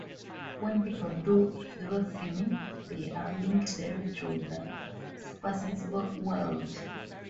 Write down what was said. When people do eurythmy they are linked directly with the supersensible world.